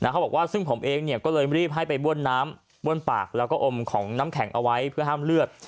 เขาบอกว่าซึ่งผมเองก็เลยรีบให้ไปบ้วนน้ำบ้วนปากแล้วก็อมของน้ำแข็งเอาไว้เพื่อห้ามเลือด